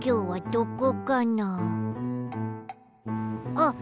あっ！